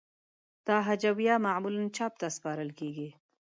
دا هجویه معمولاً چاپ ته سپارل کیږی.